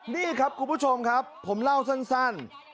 นี่ครับคุณผู้ชมครับผมเล่าสั้น